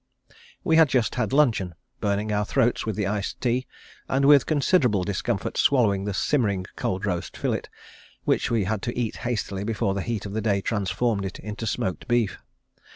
We had just had luncheon, burning our throats with the iced tea and with considerable discomfort swallowing the simmering cold roast filet, which we had to eat hastily before the heat of the day transformed it into smoked beef.